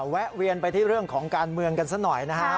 แวะเวียนไปที่เรื่องของการเมืองกันซะหน่อยนะฮะ